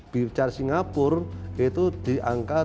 di singapura itu diangkat delapan belas